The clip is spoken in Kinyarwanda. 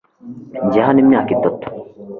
Njye hano imyaka itatu .